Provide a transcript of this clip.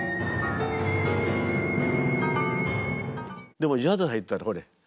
でもジャズ入ったらほれ